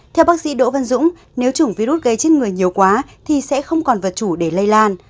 theo bác sĩ đỗ văn dũng nếu chủng virus gây chết người nhiều quá thì sẽ không còn vật chủ để lây lan